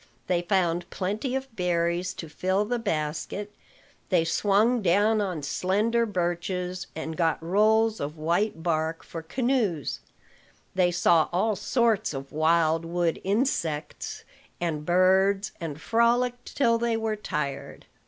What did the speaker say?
They found plenty of berries to fill the basket; they swung down on slender birches, and got rolls of white bark for canoes; they saw all sorts of wild wood insects and birds; and frolicked till they were tired.